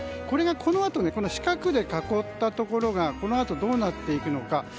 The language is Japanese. これが、このあと四角で囲ったところがこのあと、どうなっていくのか。